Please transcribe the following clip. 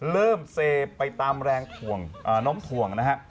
เริ่มเซไปตามแรงน้มถ่วงนะฮะ